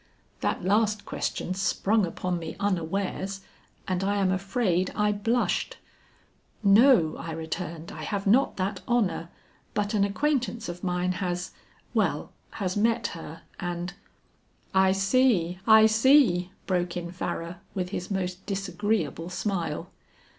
That last question sprung upon me unawares, and I am afraid I blushed. "No," I returned, "I have not that honor but an acquaintance of mine has well has met her and " "I see, I see," broke in Farrar with his most disagreeable smile.